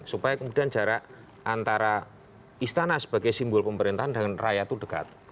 supaya kemudian jarak antara istana sebagai simbol pemerintahan dengan rakyat itu dekat